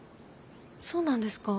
そうなんですか。